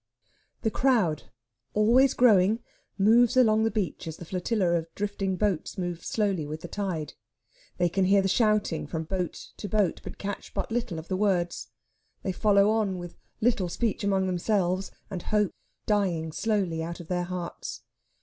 The crowd, always growing, moves along the beach as the flotilla of drifting boats move slowly with the tide. They can hear the shouting from boat to boat, but catch but little of the words. They follow on, with little speech among themselves, and hope dying slowly out of their hearts.